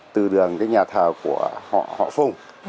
từ đường nhà thờ của họ phùng